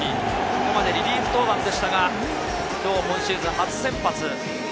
ここまでリリーフ登板でしたが、今日、今シーズン初先発。